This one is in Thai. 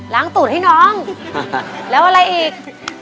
ตูดให้น้องแล้วอะไรอีก